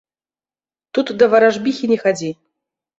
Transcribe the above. Тут да варажбіхі не хадзі.